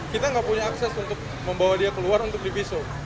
kita gak punya akses untuk membawa dia keluar untuk di visum